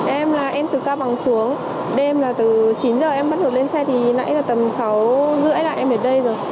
em là em từ cao bằng xuống đêm là từ chín giờ em bắt buộc lên xe thì nãy là tầm sáu rưỡi là em ở đây rồi